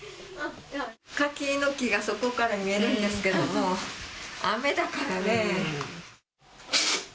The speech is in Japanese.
柿の木がそこから見えるんですけども、雨だからね。